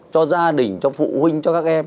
cho gia đình cho phụ huynh cho các em